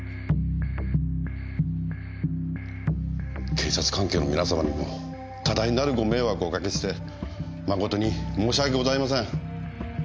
警察関係の皆様にも多大なるご迷惑をおかけして誠に申し訳ございません。